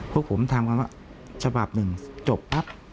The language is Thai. พวกผมทำกันว่าฉบับหนึ่งจบปั๊บ